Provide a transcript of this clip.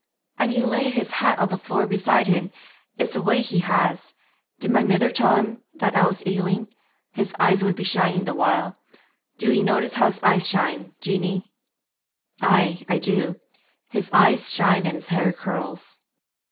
'An' he'd lay his hat on the floor beside him; it's a way he has. Did my mither tell him that I was ailing? His eyes would be shining the while. Do ye notice how his eyes shine, Jeanie?' 'Ay, do I; his eyes shine and his hair curls.'